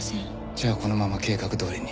じゃあこのまま計画どおりに。